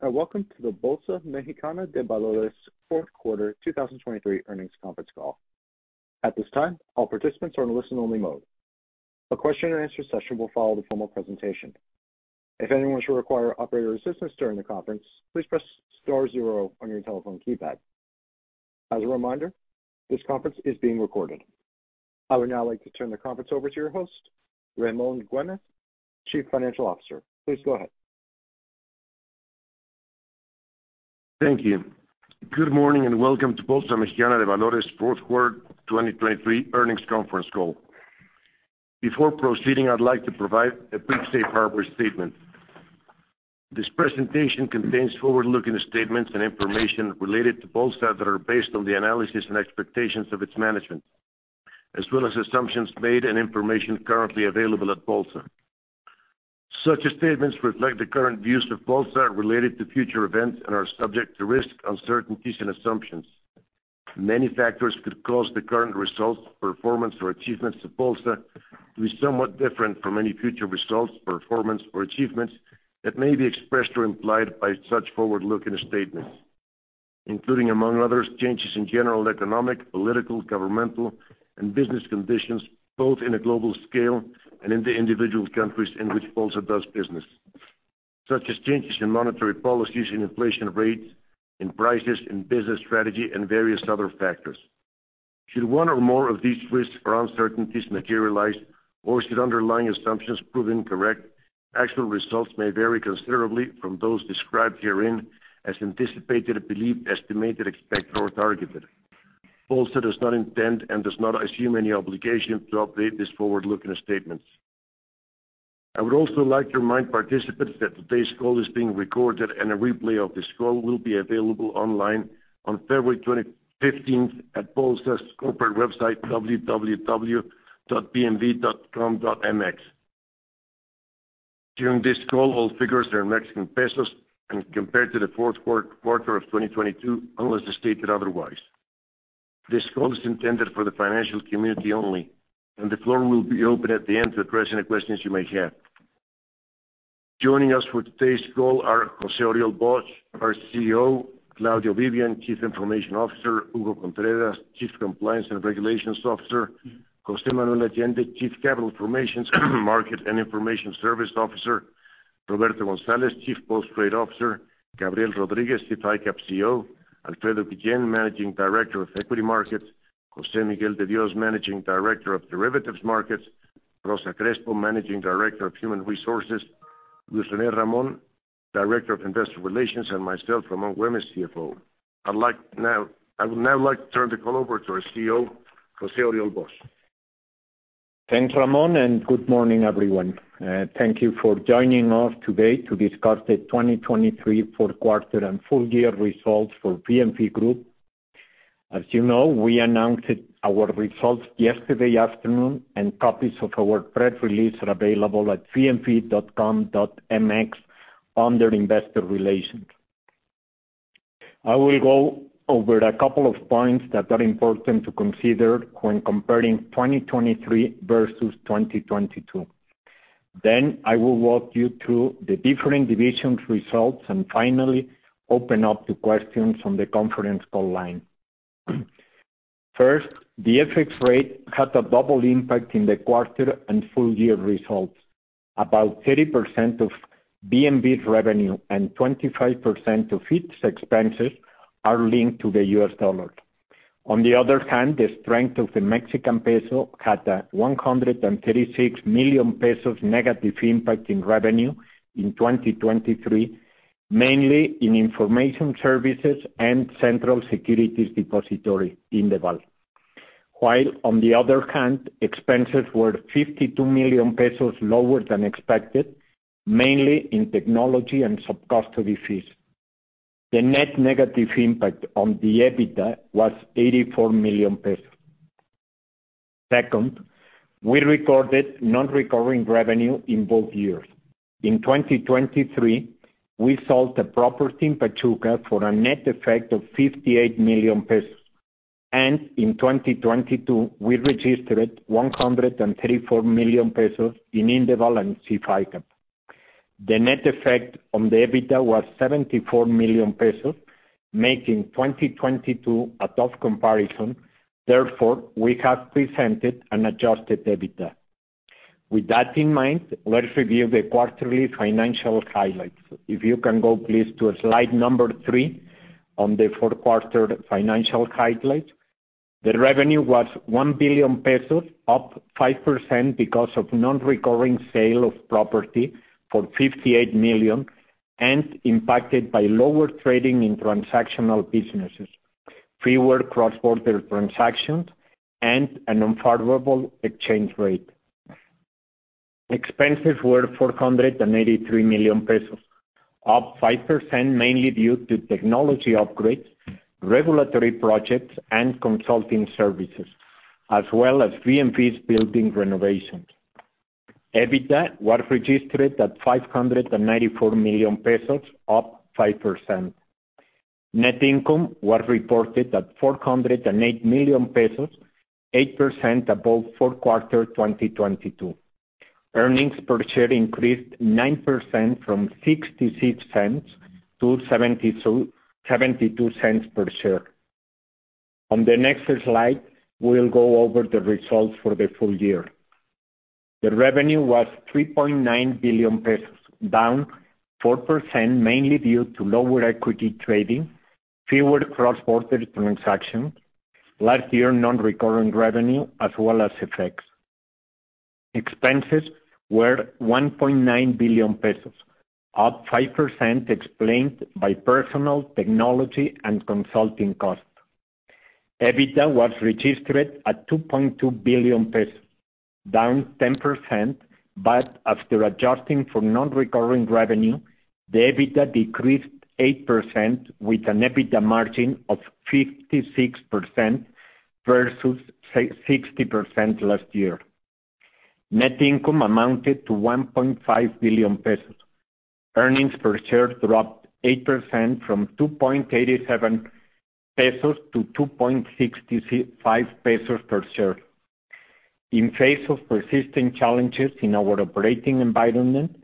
Thanks. Welcome to the Bolsa Mexicana de Valores fourth quarter 2023 earnings conference call. At this time, all participants are in a listen-only mode. A question-and-answer session will follow the formal presentation. If anyone should require operator assistance during the conference, please press star zero on your telephone keypad. As a reminder, this conference is being recorded. I would now like to turn the conference over to your host, Ramón Güémez, Chief Financial Officer. Please go ahead. Thank you. Good morning and welcome to Bolsa Mexicana de Valores fourth quarter 2023 earnings conference call. Before proceeding, I'd like to provide a brief safe harbor statement. This presentation contains forward-looking statements and information related to Bolsa that are based on the analysis and expectations of its management, as well as assumptions made and information currently available at Bolsa. Such statements reflect the current views of Bolsa related to future events and are subject to risk, uncertainties, and assumptions. Many factors could cause the current results, performance, or achievements of Bolsa to be somewhat different from any future results, performance, or achievements that may be expressed or implied by such forward-looking statements, including, among others, changes in general economic, political, governmental, and business conditions, both in a global scale and in the individual countries in which Bolsa does business, such as changes in monetary policies, in inflation rates, in prices, in business strategy, and various other factors. Should one or more of these risks or uncertainties materialize, or should underlying assumptions prove incorrect, actual results may vary considerably from those described herein as anticipated, believed, estimated, expected, or targeted. Bolsa does not intend and does not assume any obligation to update these forward-looking statements. I would also like to remind participants that today's call is being recorded, and a replay of this call will be available online on February 2015 at Bolsa's corporate website, www.bmv.com.mx. During this call, all figures are in Mexican pesos and compared to the fourth quarter of 2022 unless stated otherwise. This call is intended for the financial community only, and the floor will be open at the end to address any questions you may have. Joining us for today's call are José-Oriol Bosch our CEO; Claudio Vivian, Chief Information Officer; Hugo Contreras, Chief Compliance and Regulations Officer; José Manuel Allende, Chief Capital Formations, Market and Information Service Officer; Roberto González, Chief Post-Trade Officer; Gabriel Rodríguez, SIF ICAP CEO; Alfredo Guillén, Managing Director of Equity Markets; José Miguel de Dios, Managing Director of Derivatives Markets; Rosa Crespo, Managing Director of Human Resources; Luis René Ramón, Director of Investor Relations; and myself, Ramón Güémez, CFO. I would now like to turn the call over to our CEO, José-Oriol Bosch. Thanks, Ramón, and good morning, everyone. Thank you for joining us today to discuss the 2023 fourth quarter and full-year results for BMV Group. As you know, we announced our results yesterday afternoon, and copies of our press release are available at bmv.com.mx under Investor Relations. I will go over a couple of points that are important to consider when comparing 2023 versus 2022. Then I will walk you through the different divisions' results and finally open up to questions on the conference call line. First, the FX rate had a double impact in the quarter and full-year results. About 30% of BMV's revenue and 25% of its expenses are linked to the US dollar. On the other hand, the strength of the Mexican peso had a 136 million pesos negative impact in revenue in 2023, mainly in information services and Indeval, while on the other hand, expenses were 52 million pesos lower than expected, mainly in technology and subcustody fees. The net negative impact on the EBITDA was 84 million pesos. Second, we recorded non-recurring revenue in both years. In 2023, we sold a property in Pachuca for a net effect of 58 million pesos, and in 2022, we registered 134 million pesos in Indeval, SIF ICAP. The net effect on the EBITDA was 74 million pesos, making 2022 a tough comparison. Therefore, we have presented an adjusted EBITDA. With that in mind, let's review the quarterly financial highlights. If you can go, please, to slide number three on the fourth quarter financial highlights. The revenue was 1 billion pesos, up 5% because of non-recurring sale of property for 58 million and impacted by lower trading in transactional businesses, fewer cross-border transactions, and an unfavorable exchange rate. Expenses were 483 million pesos, up 5% mainly due to technology upgrades, regulatory projects, and consulting services, as well as BMV's building renovations. EBITDA was registered at 594 million pesos, up 5%. Net income was reported at 408 million pesos, 8% above fourth quarter 2022. Earnings per share increased 9% from 0.66 to 0.72. On the next slide, we'll go over the results for the full year. The revenue was 3.9 billion pesos, down 4% mainly due to lower equity trading, fewer cross-border transactions, last year non-recurring revenue, as well as FX. Expenses were 1.9 billion pesos, up 5% explained by personnel, technology, and consulting costs. EBITDA was registered at 2.2 billion pesos, down 10%, but after adjusting for non-recurring revenue, the EBITDA decreased 8% with an EBITDA margin of 56% versus 60% last year. Net income amounted to 1.5 billion pesos. Earnings per share dropped 8% from 2.87-2.65 pesos per share. In face of persistent challenges in our operating environment,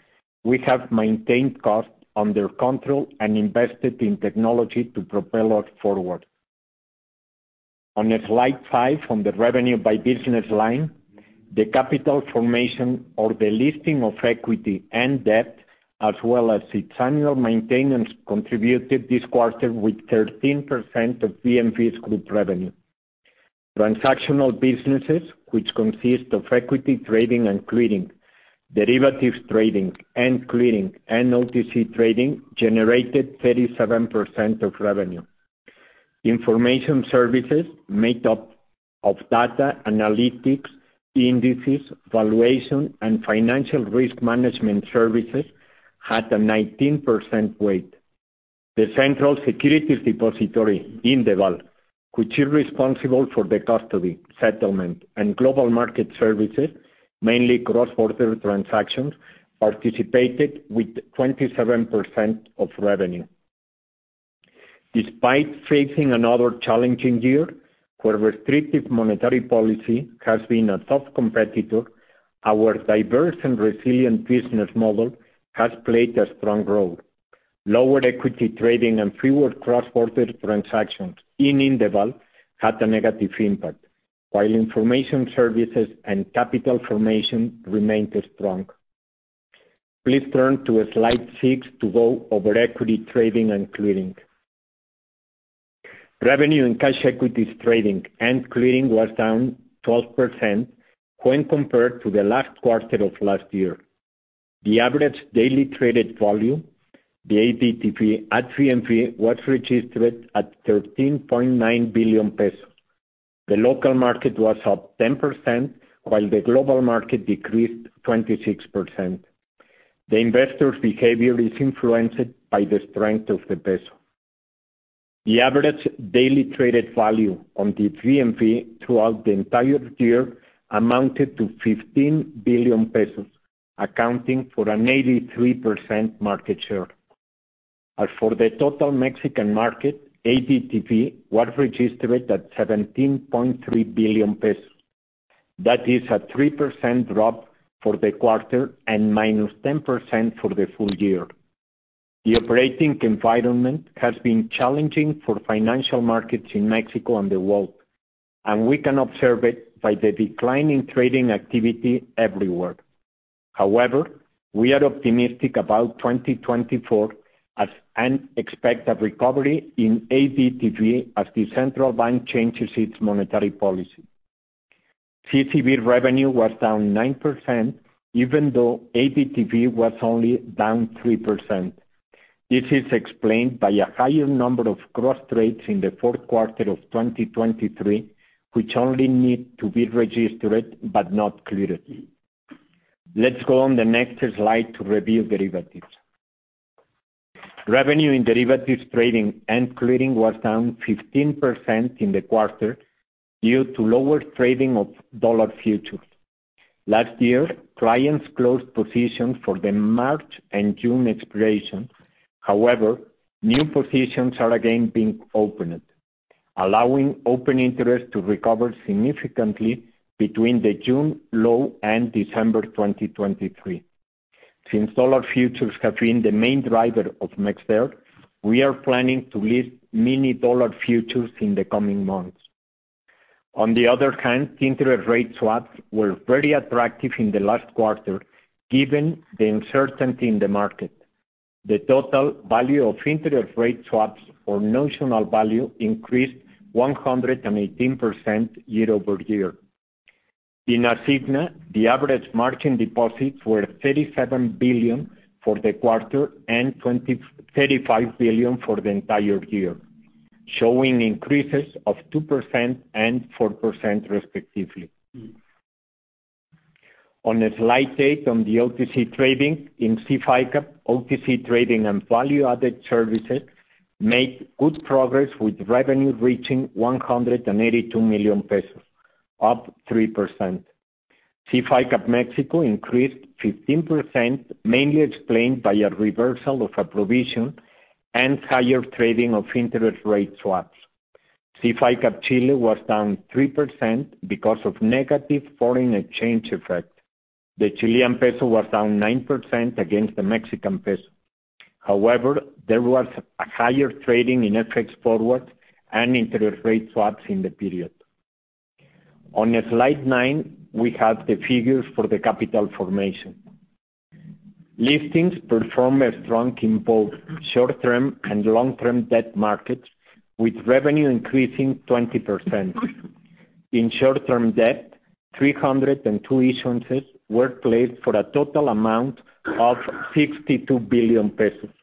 we have maintained costs under control and invested in technology to propel us forward. On slide five on the revenue by business line, the capital formation, or the listing of equity and debt, as well as its annual maintenance, contributed this quarter with 13% of BMV's group revenue. Transactional businesses, which consist of equity trading and clearing, derivatives trading and clearing, and OTC trading, generated 37% of revenue. Information services made up of data analytics, indices, valuation, and financial risk management services had a 19% weight. Indeval, which is responsible for the custody, settlement, and global market services, mainly cross-border transactions, participated with 27% of revenue. Despite facing another challenging year, where restrictive monetary policy has been a tough competitor, our diverse and resilient business model has played a strong role. Lower equity trading and fewer cross-border transactions in Indeval had a negative impact, while information services and capital formation remained strong. Please turn to slide six to go over equity trading and clearing. Revenue in cash equities trading and clearing was down 12% when compared to the last quarter of last year. The average daily traded volume, the ADTV, at BMV was registered at 13.9 billion pesos. The local market was up 10%, while the global market decreased 26%. The investors' behavior is influenced by the strength of the peso. The average daily traded volume on the BMV throughout the entire year amounted to 15 billion pesos, accounting for an 83% market share. For the total Mexican market, ADTV was registered at 17.3 billion pesos. That is a 3% drop for the quarter and -10% for the full year. The operating environment has been challenging for financial markets in Mexico and the world, and we can observe it by the decline in trading activity everywhere. However, we are optimistic about 2024 and expect a recovery in ADTV as the central bank changes its monetary policy. CCV revenue was down 9%, even though ADTV was only down 3%. This is explained by a higher number of cross-trades in the fourth quarter of 2023, which only need to be registered but not cleared. Let's go on the next slide to review derivatives. Revenue in derivatives trading and clearing was down 15% in the quarter due to lower trading of dollar futures. Last year, clients closed positions for the March and June expirations. However, new positions are again being opened, allowing open interest to recover significantly between the June low and December 2023. Since dollar futures have been the main driver of next year, we are planning to list mini dollar futures in the coming months. On the other hand, interest rate swaps were very attractive in the last quarter given the uncertainty in the market. The total value of interest rate swaps, or notional value, increased 118% year-over-year. In Asigna, the average margin deposits were 37 billion for the quarter and 35 billion for the entire year, showing increases of 2% and 4% respectively. On slide 8 on the OTC trading in SIF ICAP, OTC trading and value-added services made good progress with revenue reaching 182 million pesos, up 3%. SIF ICAP Mexico increased 15%, mainly explained by a reversal of a provision and higher trading of interest rate swaps. SIF ICAP Chile was down 3% because of negative foreign exchange effect. The Chilean peso was down 9% against the Mexican peso. However, there was higher trading in FX forwards and interest rate swaps in the period. On slide nine we have the figures for the capital formation. Listings performed strongly in both short-term and long-term debt markets, with revenue increasing 20%. In short-term debt, 302 issuances were placed for a total amount of 62 billion pesos,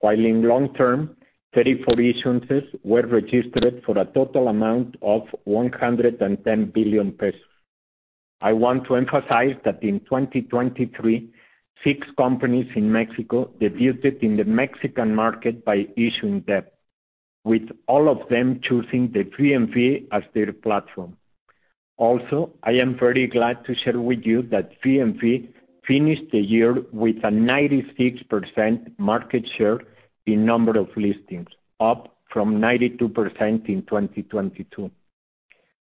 while in long-term, 34 issuances were registered for a total amount of 110 billion pesos. I want to emphasize that in 2023, six companies in Mexico debuted in the Mexican market by issuing debt, with all of them choosing the BMV as their platform. Also, I am very glad to share with you that BMV finished the year with a 96% market share in number of listings, up from 92% in 2022.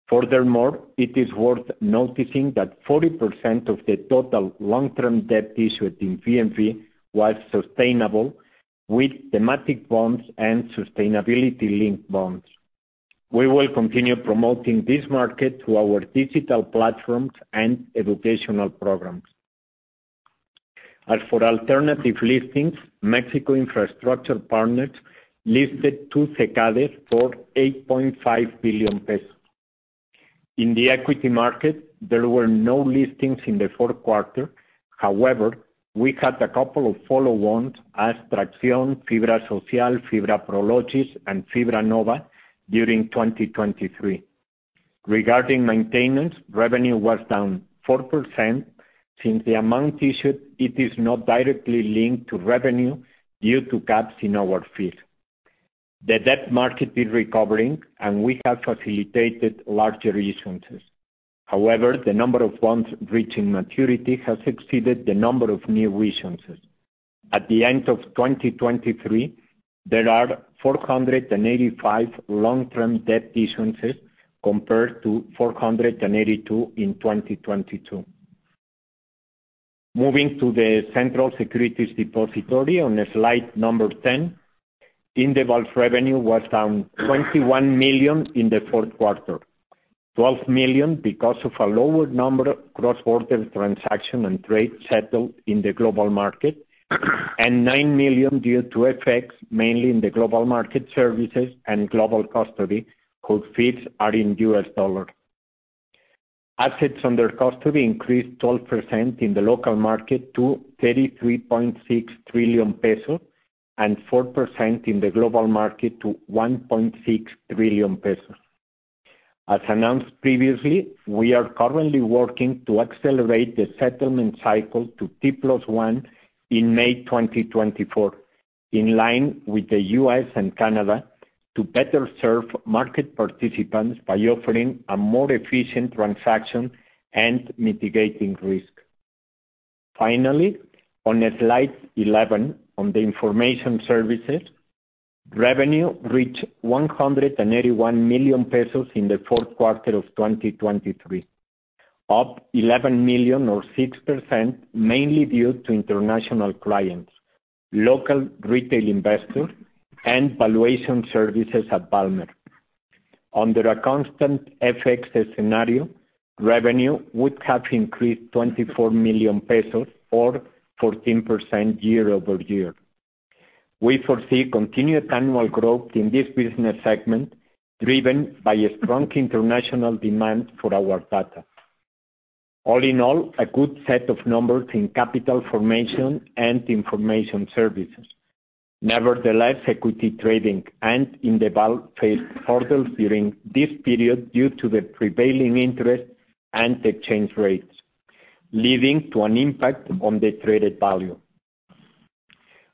Furthermore, it is worth noticing that 40% of the total long-term debt issued in BMV was sustainable with thematic bonds and sustainability-linked bonds. We will continue promoting this market through our digital platforms and educational programs. As for alternative listings, Mexico Infrastructure Partners listed two CKDs for 8.5 billion pesos. In the equity market, there were no listings in the fourth quarter. However, we had a couple of follow-ons as Traxión, Fibra Soma, Fibra Prologis, and Fibra Nova during 2023. Regarding maintenance, revenue was down 4% since the amount issued. It is not directly linked to revenue due to caps in our fees. The debt market is recovering, and we have facilitated larger issuances. However, the number of bonds reaching maturity has exceeded the number of new issuances. At the end of 2023, there are 485 long-term debt issuances compared to 482 in 2022. Moving to the central securities depository on slide number 10, Indeval revenue was down 21 million in the fourth quarter, 12 million because of a lower number of cross-border transactions and trades settled in the global market, and 9 million due to FX, mainly in the global market services and global custody, whose fees are in U.S. dollar. Assets under custody increased 12% in the local market to 33.6 trillion pesos and 4% in the global market to 1.6 trillion pesos. As announced previously, we are currently working to accelerate the settlement cycle to T+1 in May 2024, in line with the U.S. and Canada, to better serve market participants by offering a more efficient transaction and mitigating risk. Finally, on slide 11 on the information services, revenue reached 181 million pesos in the fourth quarter of 2023, up 11 million, or 6%, mainly due to international clients, local retail investors, and valuation services at Valmer. Under a constant FX scenario, revenue would have increased 24 million pesos or 14% year-over-year. We foresee continued annual growth in this business segment driven by a strong international demand for our data. All in all, a good set of numbers in capital formation and information services. Nevertheless, equity trading and Indeval faced hurdles during this period due to the prevailing interest and exchange rates, leading to an impact on the traded value.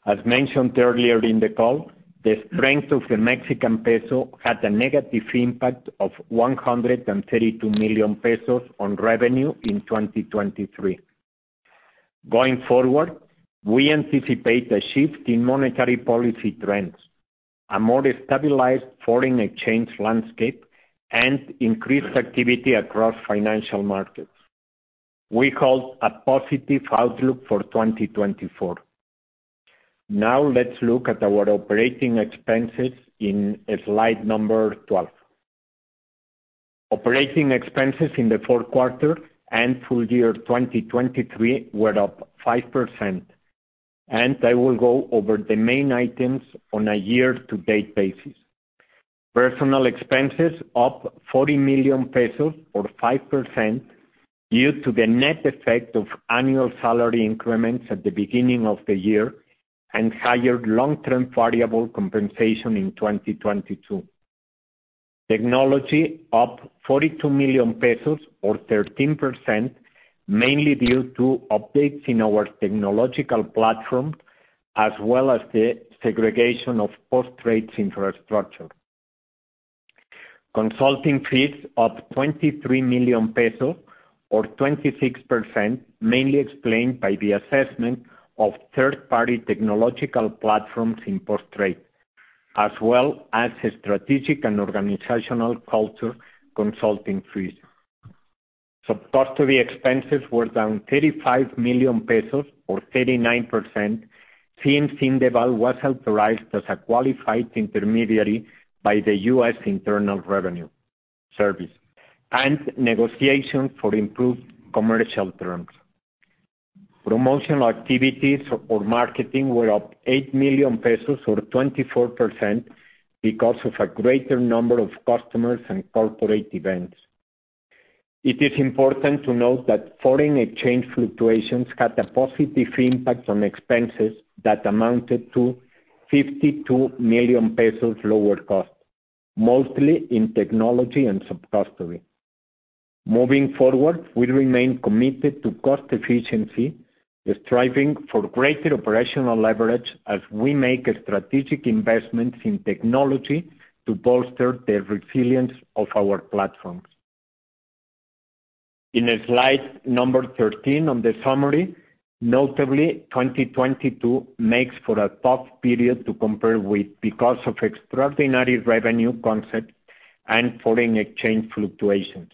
As mentioned earlier in the call, the strength of the Mexican peso had a negative impact of 132 million pesos on revenue in 2023. Going forward, we anticipate a shift in monetary policy trends, a more stabilized foreign exchange landscape, and increased activity across financial markets. We hope a positive outlook for 2024. Now, let's look at our operating expenses in slide number 12. Operating expenses in the fourth quarter and full year 2023 were up 5%, and I will go over the main items on a year-to-date basis. Personal expenses up 40 million pesos, or 5%, due to the net effect of annual salary increments at the beginning of the year and higher long-term variable compensation in 2022. Technology up 42 million pesos, or 13%, mainly due to updates in our technological platform as well as the segregation of post-trades infrastructure. Consulting fees up 23 million pesos, or 26%, mainly explained by the assessment of third-party technological platforms in post-trade, as well as strategic and organizational culture consulting fees. Subcustody expenses were down 35 million pesos, or 39%, since Indeval was authorized as a qualified intermediary by the U.S. Internal Revenue Service and negotiations for improved commercial terms. Promotional activities or marketing were up 8 million pesos, or 24%, because of a greater number of customers and corporate events. It is important to note that foreign exchange fluctuations had a positive impact on expenses that amounted to 52 million pesos lower cost, mostly in technology and subcustody. Moving forward, we remain committed to cost efficiency, striving for greater operational leverage as we make strategic investments in technology to bolster the resilience of our platforms. In slide number 13 on the summary, notably, 2022 makes for a tough period to compare with because of extraordinary revenue concepts and foreign exchange fluctuations.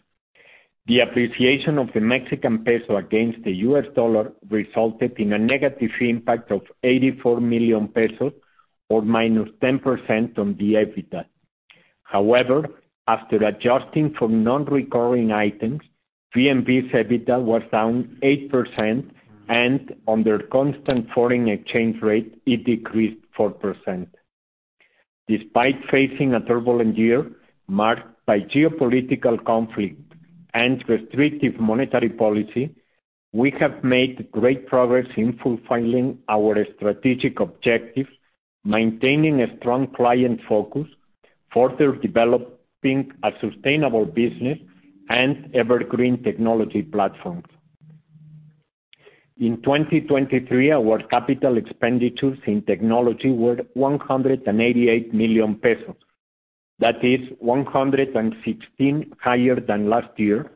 The appreciation of the Mexican peso against the U.S. dollar resulted in a negative impact of 84 million pesos, or -10%, on the EBITDA. However, after adjusting for non-recurring items, BMV's EBITDA was down 8%, and under constant foreign exchange rate, it decreased 4%. Despite facing a turbulent year marked by geopolitical conflict and restrictive monetary policy, we have made great progress in fulfilling our strategic objectives, maintaining a strong client focus, further developing a sustainable business, and evergreen technology platforms. In 2023, our capital expenditures in technology were 188 million pesos. That is 116 million higher than last year,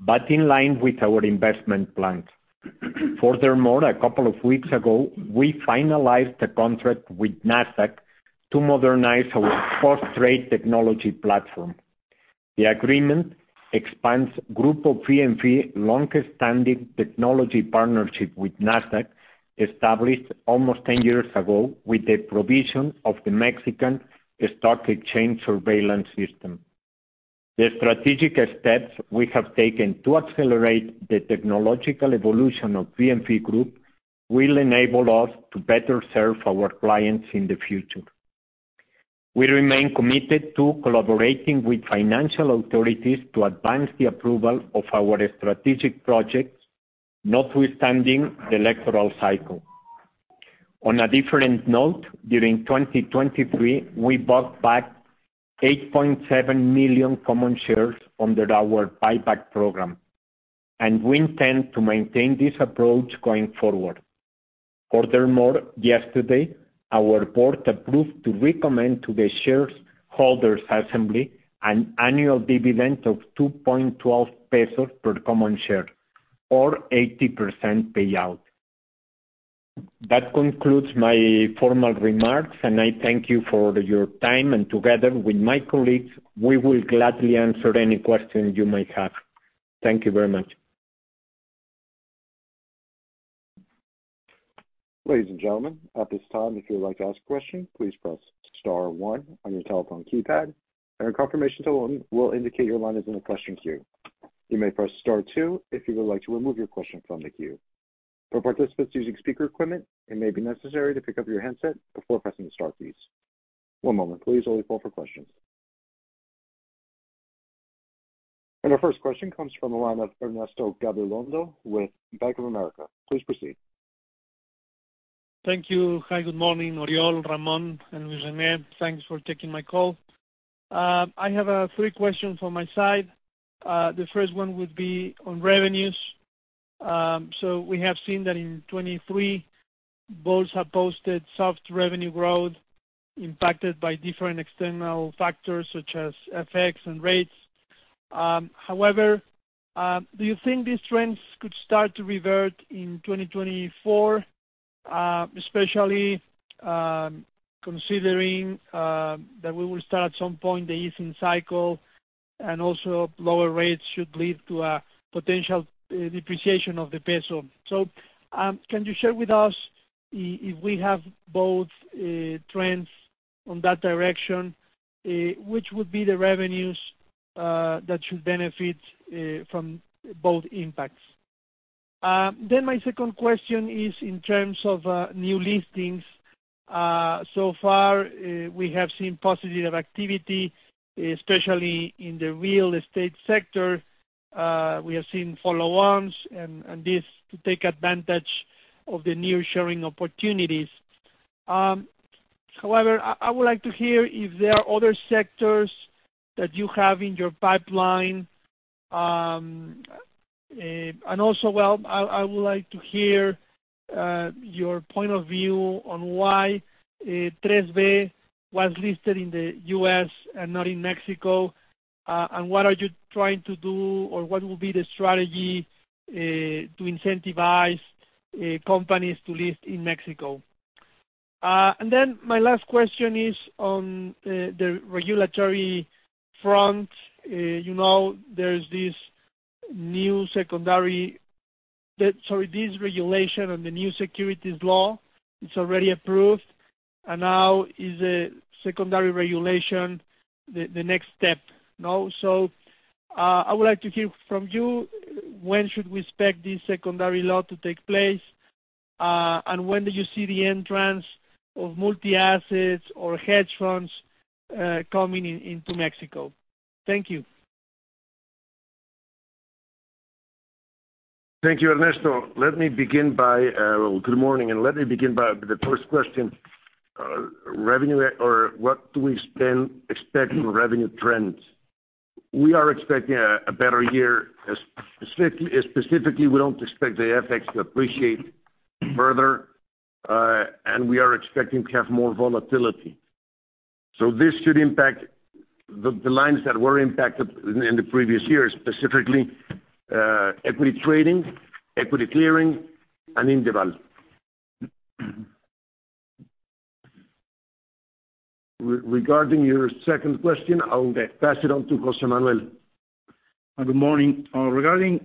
but in line with our investment plans. Furthermore, a couple of weeks ago, we finalized a contract with Nasdaq to modernize our post-trade technology platform. The agreement expands Grupo BMV's longest-standing technology partnership with Nasdaq, established almost 10 years ago with the provision of the Mexican Stock Exchange Surveillance System. The strategic steps we have taken to accelerate the technological evolution of BMV Group will enable us to better serve our clients in the future. We remain committed to collaborating with financial authorities to advance the approval of our strategic projects, notwithstanding the electoral cycle. On a different note, during 2023, we bought back 8.7 million common shares under our buyback program, and we intend to maintain this approach going forward. Furthermore, yesterday, our board approved to recommend to the shareholders' assembly an annual dividend of 2.12 pesos per common share, or 80% payout. That concludes my formal remarks, and I thank you for your time. And together with my colleagues, we will gladly answer any question you may have. Thank you very much. Ladies and gentlemen, at this time, if you would like to ask a question, please press star one on your telephone keypad, and a confirmation tone will indicate your line is in the question queue. You may press star two if you would like to remove your question from the queue. For participants using speaker equipment, it may be necessary to pick up your headset before pressing the star keys. One moment, please. Only four for questions. And our first question comes from the line of Ernesto Gabilondo with Bank of America. Please proceed. Thank you. Hi, good morning, Oriol, Ramón, and Luis René. Thanks for taking my call. I have three questions on my side. The first one would be on revenues. So we have seen that in 2023, both have posted soft revenue growth impacted by different external factors such as FX and rates. However, do you think these trends could start to revert in 2024, especially considering that we will start at some point the easing cycle and also lower rates should lead to a potential depreciation of the peso? So can you share with us, if we have both trends on that direction, which would be the revenues that should benefit from both impacts? Then my second question is in terms of new listings. So far, we have seen positive activity, especially in the real estate sector. We have seen follow-ons and this to take advantage of the new sharing opportunities. However, I would like to hear if there are other sectors that you have in your pipeline. And also, well, I would like to hear your point of view on why 3B was listed in the U.S. and not in Mexico, and what are you trying to do, or what will be the strategy to incentivize companies to list in Mexico? And then my last question is on the regulatory front. There's this new secondary sorry, this regulation on the new securities law is already approved, and now is the secondary regulation the next step, no? So I would like to hear from you when should we expect this secondary law to take place, and when do you see the entrance of multi-assets or hedge funds coming into Mexico? Thank you. Thank you, Ernesto. Let me begin by well, good morning, and let me begin by the first question. Revenue, or what do we expect from revenue trends? We are expecting a better year. Specifically, we don't expect the FX to appreciate further, and we are expecting to have more volatility. So this should impact the lines that were impacted in the previous year, specifically equity trading, equity clearing, and Indeval. Regarding your second question, I will pass it on to José Manuel. Good morning. Regarding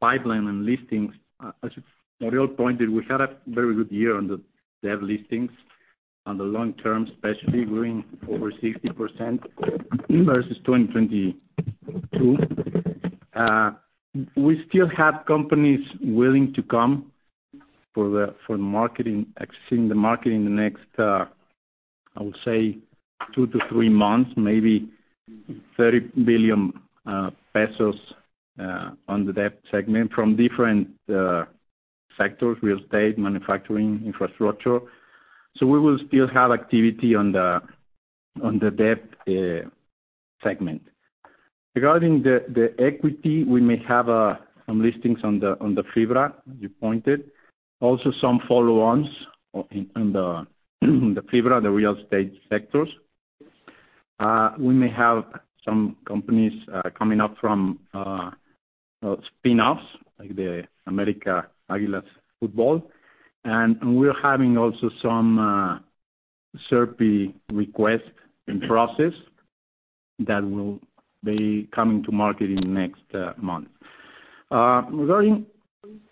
pipeline and listings, as Oriol pointed, we had a very good year on the debt listings, on the long term, especially growing over 60% versus 2022. We still have companies willing to come for the marketing, seeing the market in the next, I would say, two to three months, maybe 30 billion pesos on the debt segment from different sectors: real estate, manufacturing, infrastructure. So we will still have activity on the debt segment. Regarding the equity, we may have some listings on the FIBRA, as you pointed, also some follow-ons on the FIBRA, the real estate sectors. We may have some companies coming up from spin-offs, like the América Águilas football, and we're having also some SERPI requests in process that will be coming to market in the next month. Regarding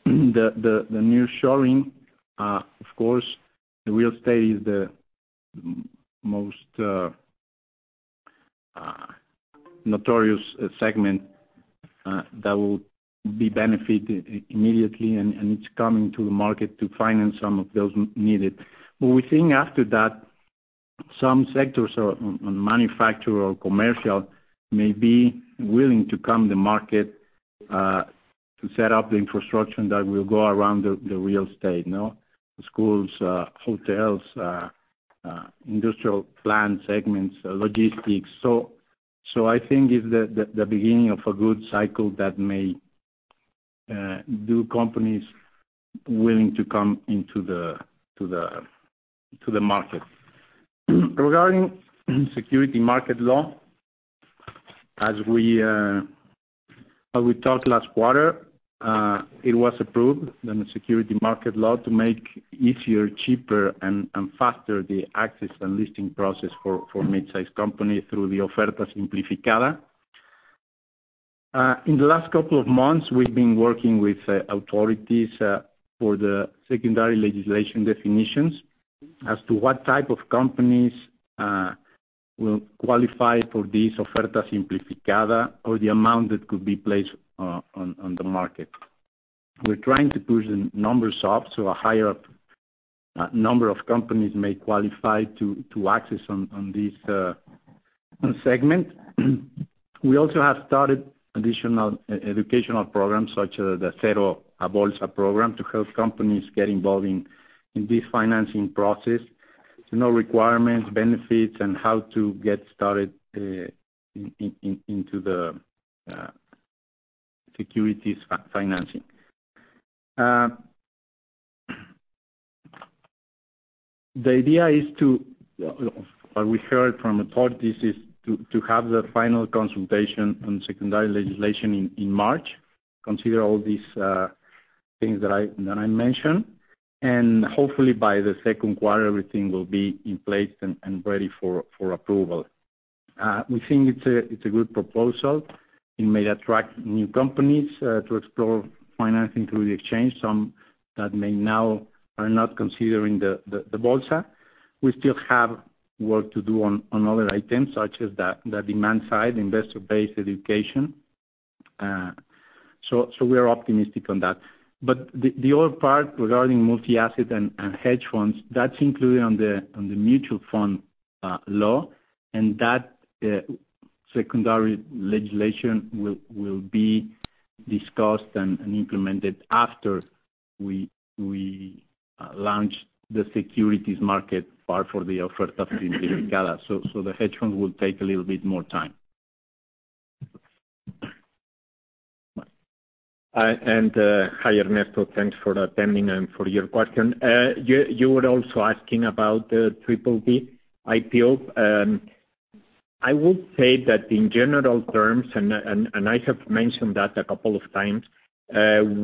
the nearshoring, of course, the real estate is the most notorious segment that will be benefited immediately, and it's coming to the market to finance some of those needed. But we're seeing after that, some sectors on manufacturing or commercial may be willing to come to market to set up the infrastructure that will go around the real estate: schools, hotels, industrial plant segments, logistics. So I think it's the beginning of a good cycle that may do companies willing to come into the market. Regarding securities market law, as we talked last quarter, it was approved, the securities market law, to make easier, cheaper, and faster the access and listing process for midsize companies through the oferta simplificada. In the last couple of months, we've been working with authorities for the secondary legislation definitions as to what type of companies will qualify for this oferta simplificada or the amount that could be placed on the market. We're trying to push the numbers up so a higher number of companies may qualify to access on this segment. We also have started additional educational programs such as the Cero a Bolsa program to help companies get involved in this financing process, to know requirements, benefits, and how to get started into the securities financing. The idea is, what we heard from authorities is, to have the final consultation on secondary legislation in March, consider all these things that I mentioned, and hopefully, by the second quarter, everything will be in place and ready for approval. We think it's a good proposal. It may attract new companies to explore financing through the exchange, some that may now are not considering the bolsa. We still have work to do on other items such as the demand side, investor-based education. So we are optimistic on that. But the other part regarding multi-asset and hedge funds, that's included on the mutual fund law, and that secondary legislation will be discussed and implemented after we launch the securities market part for the oferta simplificada. So the hedge funds will take a little bit more time. And hi, Ernesto. Thanks for attending and for your question. You were also asking about the 3B IPO. I would say that in general terms, and I have mentioned that a couple of times,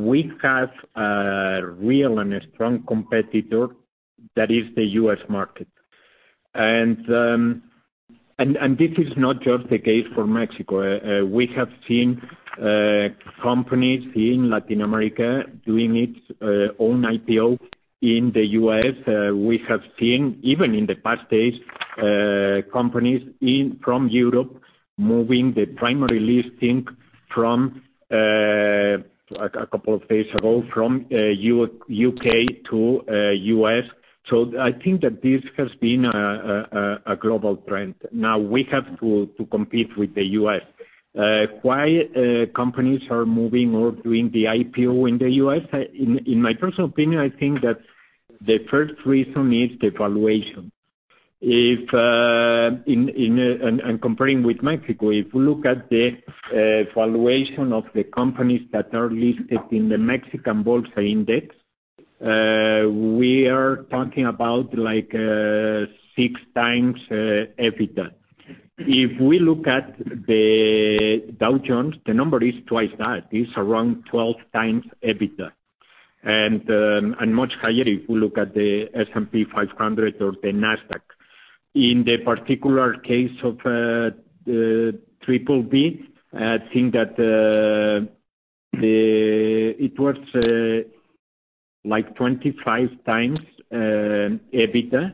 we have a real and strong competitor that is the U.S. market. This is not just the case for Mexico. We have seen companies in Latin America doing its own IPO in the U.S. We have seen, even in the past days, companies from Europe moving the primary listing from a couple of days ago from U.K. to U.S. I think that this has been a global trend. Now, we have to compete with the U.S. Why companies are moving or doing the IPO in the U.S.? In my personal opinion, I think that the first reason is the valuation. Comparing with Mexico, if we look at the valuation of the companies that are listed in the Mexican bolsa index, we are talking about 6x EBITDA. If we look at the Dow Jones, the number is twice that. It's around 12x EBITDA. And much higher if we look at the S&P 500 or the NASDAQ. In the particular case of Triple B, I think that it was like 25x EBITDA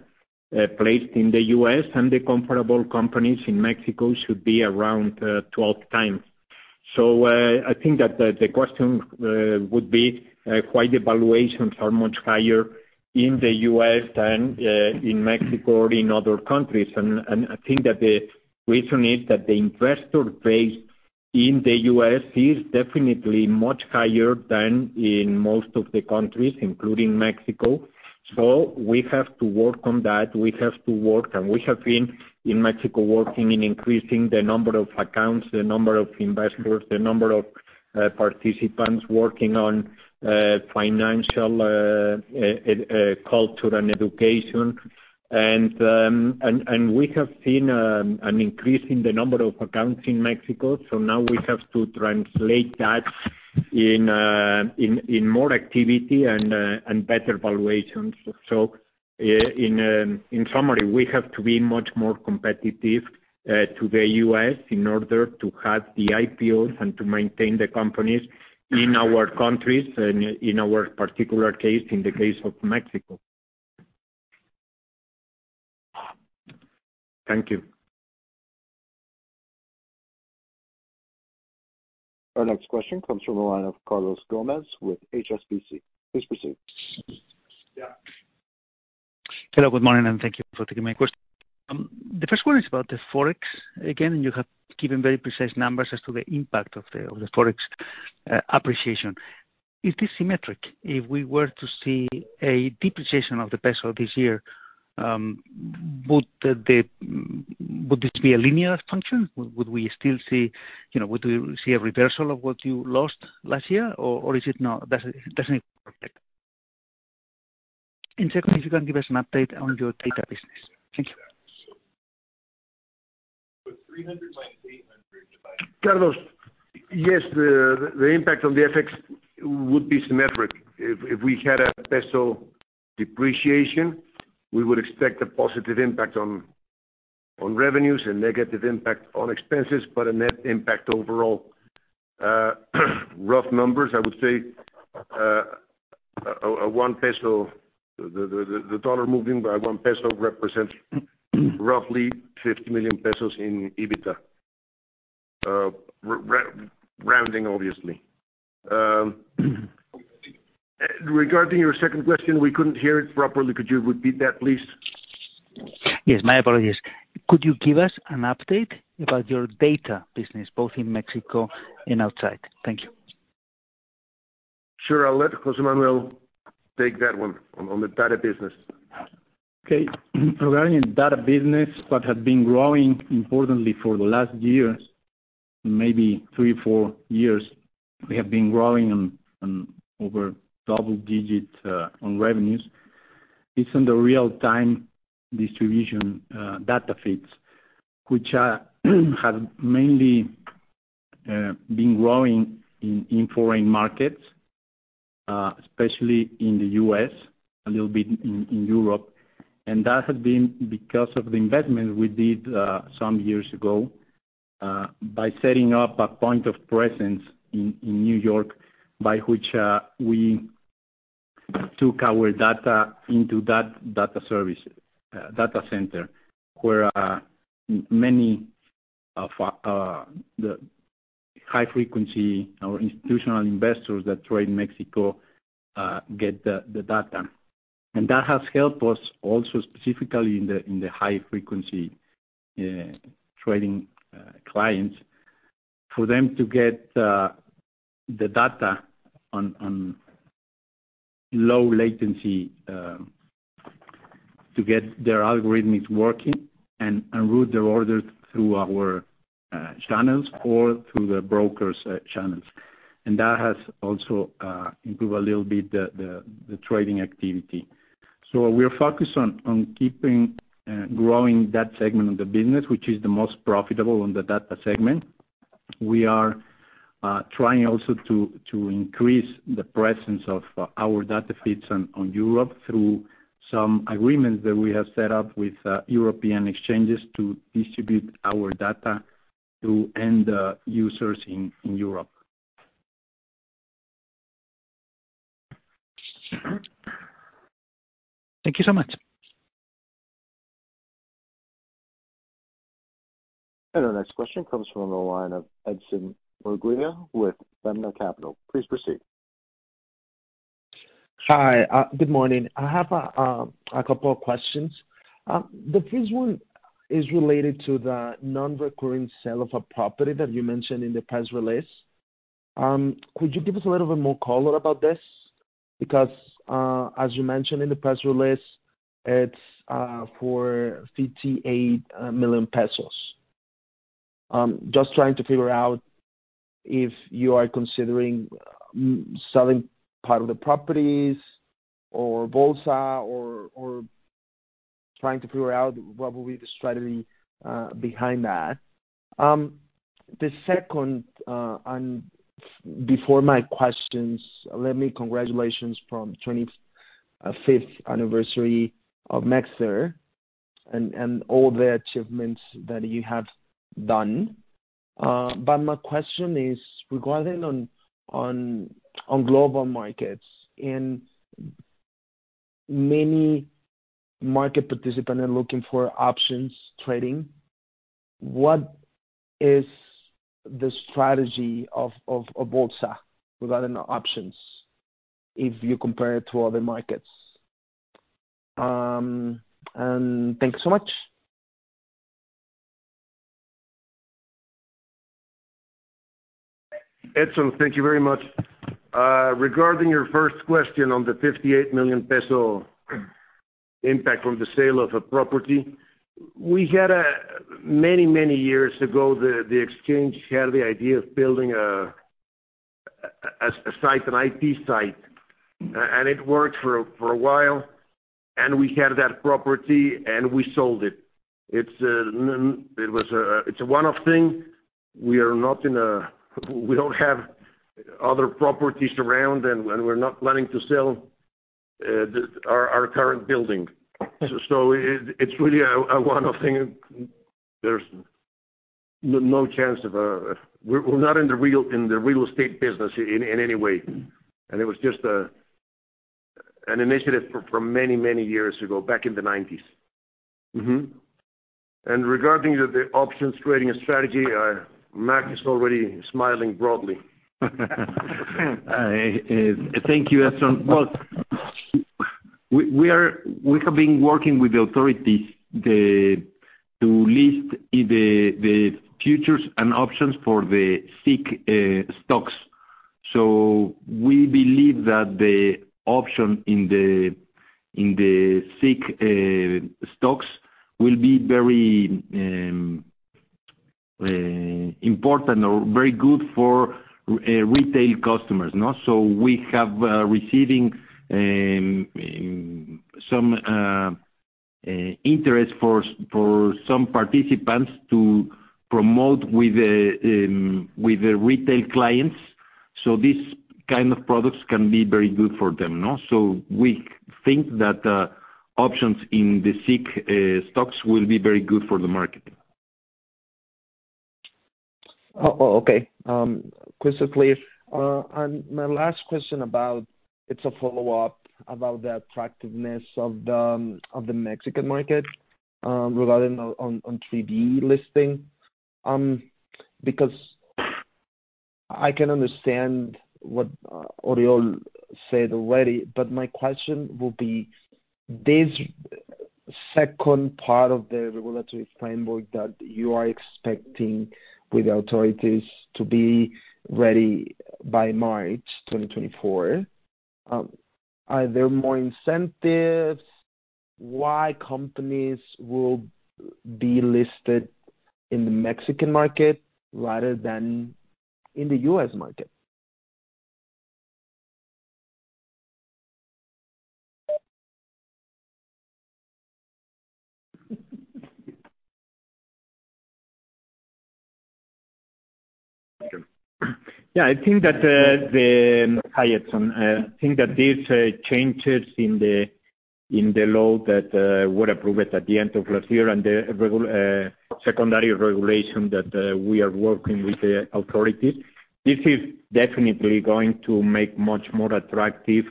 placed in the U.S., and the comparable companies in Mexico should be around 12x. So I think that the question would be why the valuations are much higher in the U.S. than in Mexico or in other countries. And I think that the reason is that the investor base in the U.S. is definitely much higher than in most of the countries, including Mexico. So we have to work on that. We have to work. We have been in Mexico working in increasing the number of accounts, the number of investors, the number of participants working on financial culture and education. We have seen an increase in the number of accounts in Mexico, so now we have to translate that in more activity and better valuations. In summary, we have to be much more competitive to the U.S. in order to have the IPOs and to maintain the companies in our countries, and in our particular case, in the case of Mexico. Thank you. Our next question comes from the line of Carlos Gómez with HSBC. Please proceed. Hello. Good morning, and thank you for taking my question. The first one is about the Forex again, and you have given very precise numbers as to the impact of the Forex appreciation. Is this symmetric? If we were to see a depreciation of the peso this year, would this be a linear function? Would we still see a reversal of what you lost last year, or is it no? Doesn't it work like that? And second, if you can give us an update on your data business. Thank you. Carlos, yes, the impact on the FX would be symmetric. If we had a peso depreciation, we would expect a positive impact on revenues and negative impact on expenses, but a net impact overall. Rough numbers, I would say a one peso the dollar moving by one peso represents roughly 50 million pesos in EBITDA, rounding, obviously. Regarding your second question, we couldn't hear it properly. Could you repeat that, please? Yes. My apologies. Could you give us an update about your data business, both in Mexico and outside? Thank you. Sure. I'll let José-Orioll take that one on the data business. Okay. Regarding data business, what has been growing importantly for the last year, maybe three, four years, we have been growing on over double-digit on revenues. It's on the real-time distribution data feeds, which have mainly been growing in foreign markets, especially in the U.S., a little bit in Europe. And that has been because of the investments we did some years ago by setting up a point of presence in New York by which we took our data into that data center where many of the high-frequency or institutional investors that trade Mexico get the data. And that has helped us also, specifically in the high-frequency trading clients, for them to get the data on low latency, to get their algorithms working, and route their orders through our channels or through the broker's channels. And that has also improved a little bit the trading activity. So we're focused on keeping growing that segment of the business, which is the most profitable on the data segment. We are trying also to increase the presence of our data feeds on Europe through some agreements that we have set up with European exchanges to distribute our data to end users in Europe. Thank you so much. And our next question comes from the line of Edson Murguía with Suma Capital. Please proceed. Hi. Good morning. I have a couple of questions. The first one is related to the non-recurring sale of a property that you mentioned in the press release. Could you give us a little bit more color about this? Because, as you mentioned in the press release, it's for 58 million pesos. Just trying to figure out if you are considering selling part of the properties or Bolsa or trying to figure out what will be the strategy behind that. The second, before my questions, let me congratulate you on the 25th anniversary of Mexico and all the achievements that you have done. But my question is regarding global markets. In many market participants are looking for options trading, what is the strategy of Bolsa regarding options if you compare it to other markets? And thank you so much. Edson, thank you very much. Regarding your first question on the 58 million peso impact from the sale of a property, we had many, many years ago, the exchange had the idea of building a site, an IP site, and it worked for a while. And we had that property, and we sold it. It was a one-off thing. We are not in a we don't have other properties around, and we're not planning to sell our current building. So it's really a one-off thing. There's no chance of a we're not in the real estate business in any way. And it was just an initiative from many, many years ago, back in the '90s. And regarding the options trading strategy, Mark is already smiling broadly. Thank you, Edson. Well, we have been working with the authorities to list the futures and options for the SIC stocks. So we believe that the option in the SIC stocks will be very important or very good for retail customers. So we have been receiving some interest for some participants to promote with the retail clients. So these kind of products can be very good for them. So we think that options in the SIC stocks will be very good for the market. Okay. Quick to clear. And my last question about it's a follow-up about the attractiveness of the Mexican market regarding 3B listing. Because I can understand what Oriol said already, but my question will be, this second part of the regulatory framework that you are expecting with the authorities to be ready by March 2024, are there more incentives? Why companies will be listed in the Mexican market rather than in the US market? Yeah. I think that the hi Edson, I think that these changes in the law that were approved at the end of last year and the secondary regulation that we are working with the authorities, this is definitely going to make much more attractive.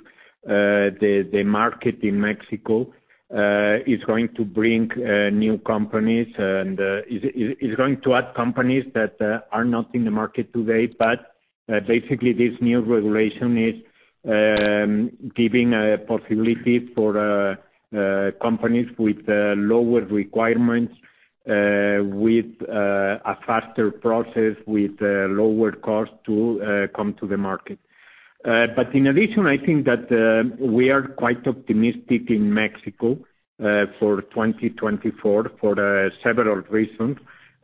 The market in Mexico is going to bring new companies, and it's going to add companies that are not in the market today. But basically, this new regulation is giving a possibility for companies with lower requirements, with a faster process, with lower cost to come to the market. But in addition, I think that we are quite optimistic in Mexico for 2024 for several reasons.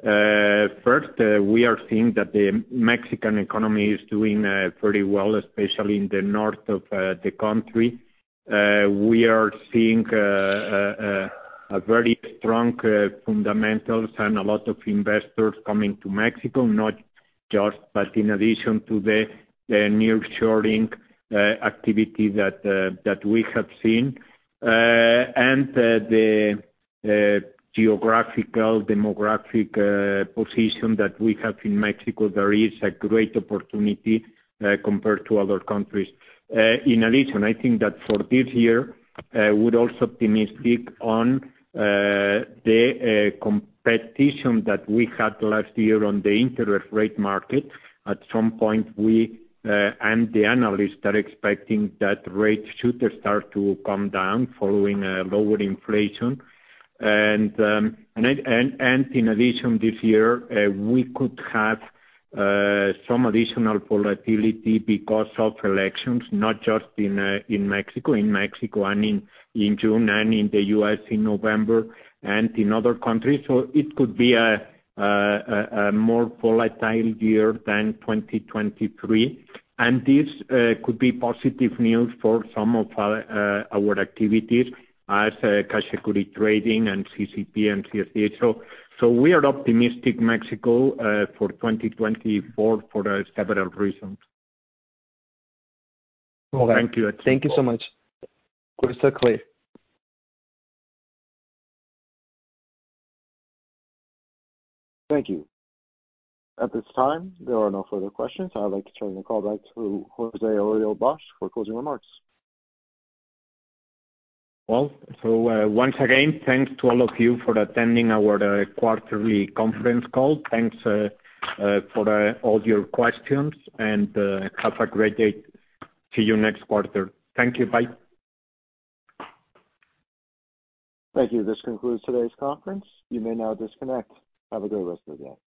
First, we are seeing that the Mexican economy is doing pretty well, especially in the north of the country. We are seeing a very strong fundamentals and a lot of investors coming to Mexico, not just but in addition to the nearshoring activity that we have seen and the geographical, demographic position that we have in Mexico. There is a great opportunity compared to other countries. In addition, I think that for this year, we're also optimistic on the competition that we had last year on the interest rate market. At some point, we and the analysts are expecting that rates should start to come down following lower inflation. And in addition, this year, we could have some additional volatility because of elections, not just in Mexico, in Mexico and in June, and in the U.S. in November, and in other countries. So it could be a more volatile year than 2023. And this could be positive news for some of our activities as cash equity trading and CCP and CFD. So we are optimistic, Mexico, for 2024 for several reasons. Thank you. Thank you so much. Quick to clear. Thank you. At this time, there are no further questions. I'd like to turn the call back to José-Oriol Bosch Par for closing remarks. Well, so once again, thanks to all of you for attending our quarterly conference call. Thanks for all your questions, and have a great day. See you next quarter. Thank you. Bye. Thank you. This concludes today's conference. You may now disconnect. Have a great rest of the day.